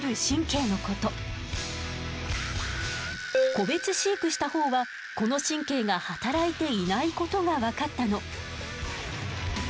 個別飼育したほうはこの神経が働いていないことが分かったの。